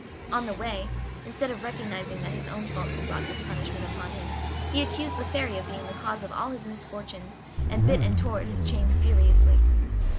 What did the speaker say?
On the way, instead of recognizing that his own faults had brought this punishment upon him, he accused the Fairy of being the cause of all his misfortunes, and bit and tore at his chains furiously.